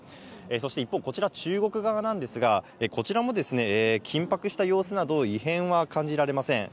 そして一方、こちら中国側なんですが、こちらも、緊迫した様子など、異変は感じられません。